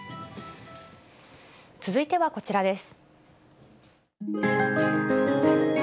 続いてはこちらです。